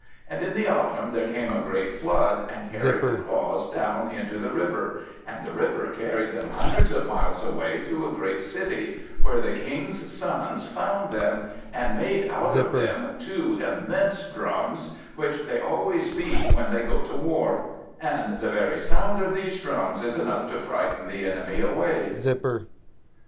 And in the autumn there came a great flood, and carried the claws down into the river; and the river carried them hundreds of miles away, to a great city; where the King's sons found them, and made out of them two immense drums, which they always beat when they go to war; and the very sound of these drums is enough to frighten the enemy away.